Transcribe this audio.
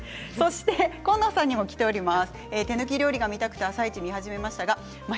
紺野さんにもきています。